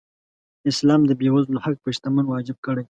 اسلام د بېوزلو حق په شتمن واجب کړی.